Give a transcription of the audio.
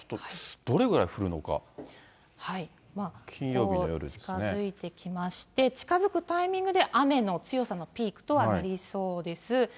こう近づいてきまして、近づくタイミングで雨の強さのピークとはなりそうです。